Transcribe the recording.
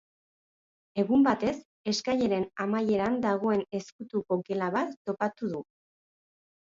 Egun batez, eskaileren amaieran dagoen ezkutuko gela bat topatu du.